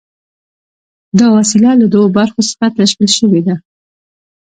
دا وسیله له دوو برخو څخه تشکیل شوې ده.